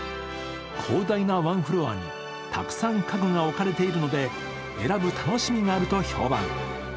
広大なワンフロアにたくさん家具が置かれているので選ぶ楽しみがあると評判。